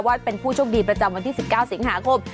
ว่าเป็นผู้โชคดีประจำวันที่๑๙สิงหาคม